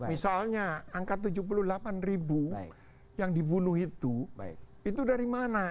misalnya angka tujuh puluh delapan ribu yang dibunuh itu itu dari mana